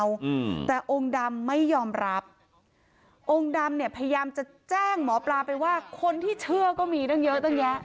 อืมแต่องค์ดำไม่ยอมรับองค์ดำเนี่ยพยายามจะแจ้งหมอปลาไปว่าคนที่เชื่อก็มีตั้งเยอะตั้งแยะ